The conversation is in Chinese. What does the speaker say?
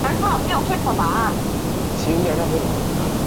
环形真绥螨为植绥螨科真绥螨属下的一个种。